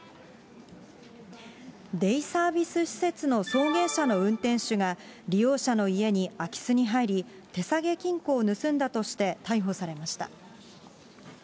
デイサービス施設の送迎車の運転手が、利用者の家に空き巣に入り、手提げ金庫を盗んだとして逮捕されました。